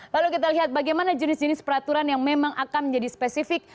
lalu kita lihat bagaimana jenis jenis peraturan yang memang akan menjadi spesifik